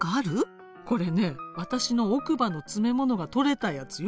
これね私の奥歯のつめものが取れたやつよ。